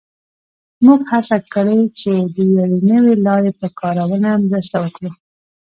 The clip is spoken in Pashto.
موږ هڅه کړې چې د یوې نوې لارې په کارونه مرسته وکړو